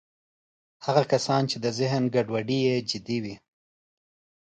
هغه کسان چې د ذهن ګډوډۍ یې جدي وي